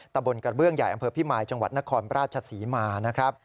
ตำบลกระเบื้องใหญ่อำเภอพิมายจังหวัดนครราชศรีมานะครับ